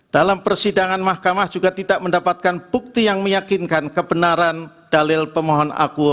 dalam persidangan mahkamah juga tidak mendapatkan bukti yang meyakinkan kebenaran dalil pemohon aku